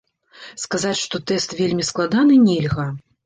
Сказаць, што тэст вельмі складаны, нельга.